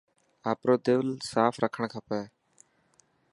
آپرو دل ساف رکڻ کپي.